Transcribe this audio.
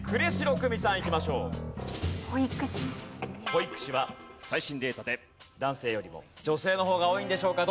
保育士は最新データで男性よりも女性の方が多いんでしょうか？